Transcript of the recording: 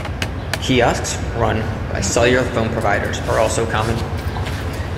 Kiosks run by cellular phone providers are also common.